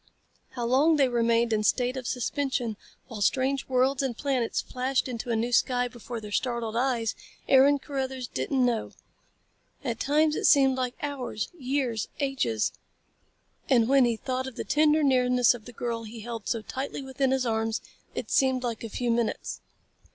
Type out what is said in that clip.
How long they remained in state of suspension while strange worlds and planets flashed into a new sky before their startled eyes, Aaron Carruthers didn't know. At times it seemed like hours, years, ages. And when he thought of the tender nearness of the girl he held so tightly within his arms, it seemed like a few minutes.